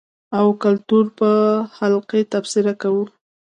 او کلتور په حقله تبصره کوو.